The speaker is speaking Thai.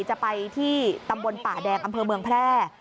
จะไปที่ตำบลป่าแดงอำเภอเมืองแพร่